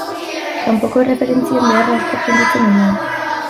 Kanpoko erreferentzien beharra askok sentitzen genuen.